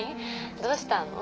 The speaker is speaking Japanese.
どうしたの？